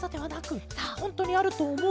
ほんとうにあるとおもう？